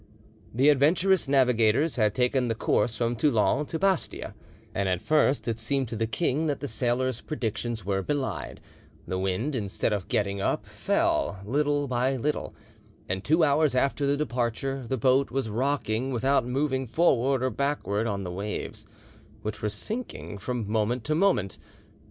The adventurous navigators had taken the course from Toulon to Bastia, and at first it seemed to the king that the sailors' predictions were belied; the wind, instead of getting up, fell little by little, and two hours after the departure the boat was rocking without moving forward or backward on the waves, which were sinking from moment to moment.